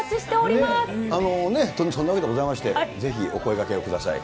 そんなわけでございまして、ぜひお声がけをください。